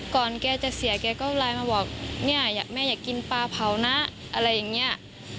ก่อนแกจะเสียแกก็ไลน์มาบอกแม่อยากแม่อยากกินป้าเผานะอะไรอย่างเงี้ย